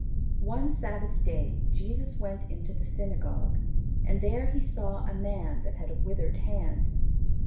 One Sabbath day Jesus went into the synagogue, and there He saw a man that had a withered hand.